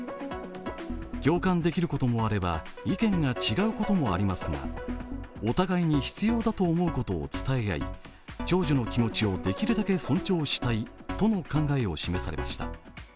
共感できることもあれば意見が違うこともありますがお互いに必要だと思うことを伝え合い長女の気持ちをできるだけ尊重したいとの考えを示されました。